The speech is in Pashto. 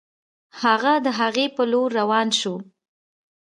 هغه د هغې په لور روان شو